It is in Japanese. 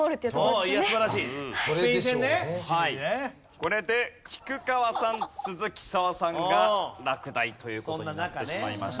これで菊川さん鈴木砂羽さんが落第という事になってしまいました。